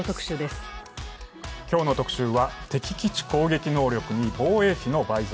今日の特集は敵基地攻撃能力に防衛費の倍増。